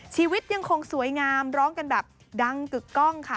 ชีวิตยังคงสวยงามร้องกันแบบดังกึกกล้องค่ะ